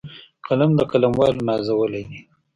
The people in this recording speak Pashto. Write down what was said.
قلم د قلموالو نازولی دی